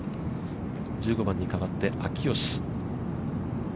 １５番に変わって、秋吉。